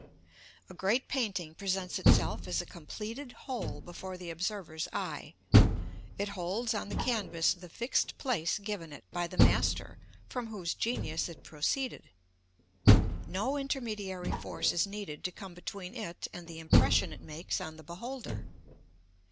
A great painting presents itself as a completed whole before the observer's eye. It holds on the canvas the fixed place given it by the master from whose genius it proceeded. No intermediary force is needed to come between it and the impression it makes on the beholder.